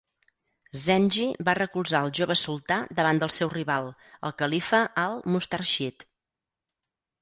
Zengi va recolzar el jove sultà davant del seu rival, el califa Al-Mustarshid.